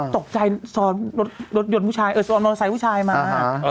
ตกใจรถยนต์ผู้ชายเอ่อรถยนต์สายผู้ชายมา